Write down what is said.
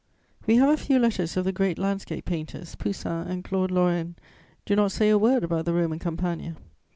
We have a few letters of the great landscape painters; Poussin and Claude Lorraine do not say a word about the Roman Campagna.